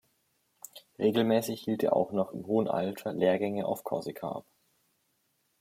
Regelmäßig hielt er auch noch im hohen Alter Lehrgänge auf Korsika ab.